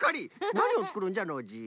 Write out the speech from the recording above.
なにをつくるんじゃノージー。